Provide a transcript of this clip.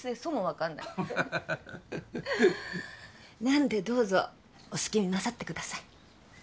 なんでどうぞお好きになさってください。